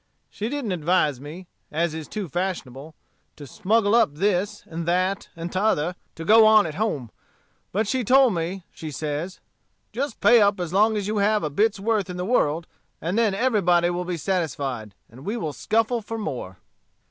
She didn't advise me, as is too fashionable, to smuggle up this, and that, and t'other, to go on at home. But she told me, says she, 'Just pay up as long as you have a bit's worth in the world; and then everybody will be satisfied, and we will scuffle for more.'